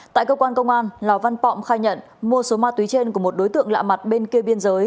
tại cơ quan công an lào văn pọng khai nhận mua số ma túy trên của một đối tượng lạ mặt bên kia biên giới